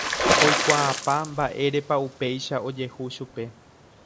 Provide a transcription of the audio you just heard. Oikuaapa mba'érepa upéicha ojehu chupe.